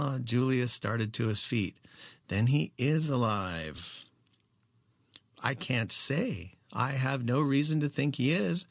Julius started to his feet. "Then he is alive." "I can't say. I have no reason to think he is.